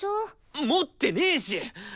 持ってねし！